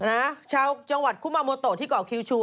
นะชาวจังหวัดคุมาโมโตที่เกาะคิวชู